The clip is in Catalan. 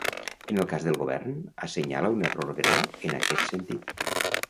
En el cas del govern, assenyala un error greu en aquest sentit.